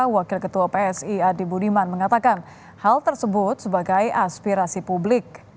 wakil ketua psi adi budiman mengatakan hal tersebut sebagai aspirasi publik